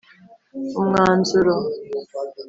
Umwanzuro